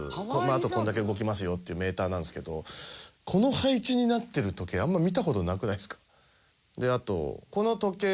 あとこれだけ動きますよっていうメーターなんですけどこの配置になってる時計あんま見た事なくないですか？